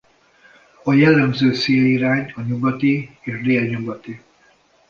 A jellemző szélirány a nyugati és délnyugati.